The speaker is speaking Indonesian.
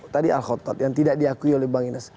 tadi al khotot yang tidak diakui oleh bang ines